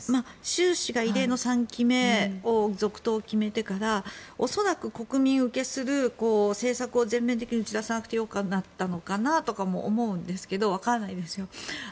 習氏が異例の３期目を続投を決めてから恐らく国民受けする政策を全面的に打ち出さなくてよかったのかなとか思ったのですがわからないですが。